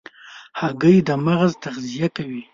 هګۍ د مغز تغذیه کوي.